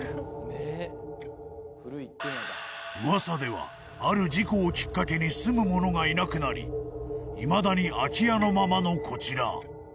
え噂ではある事故をきっかけに住む者がいなくなりいまだに空き家のままのこちら